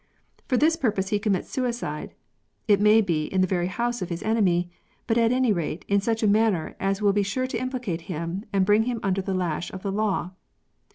For this purpose he commits suicide, it may be in the very house of his enemy, but at any rate in such a manner as will be sure to implicate him and bring him under the lash of the law.